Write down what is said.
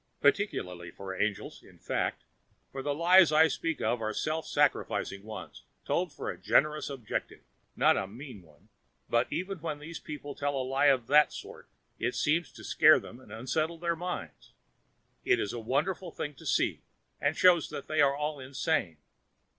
Particularly to the angels, in fact, for the lies I speak of are self sacrificing ones told for a generous object, not a mean one; but even when these people tell a lie of that sort it seems to scare them and unsettle their minds. It is a wonderful thing to see, and shows that they are all insane.